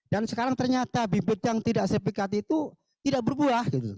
dan sekarang ternyata bibit yang tidak sepikat itu tidak berbuah